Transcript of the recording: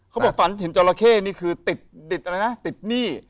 เขาบอกว่าฝันเห็นจรเข้นี่คือติดหนี้